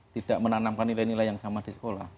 tidak menanamkan nilai nilai yang sama di sekolah